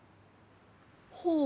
ほう。